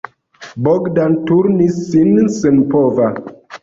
Bogdan turnis sin senpova.